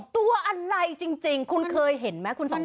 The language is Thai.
ตัวอะไรจริงคุ่นเคยเห็นมั้ยคุณสองคน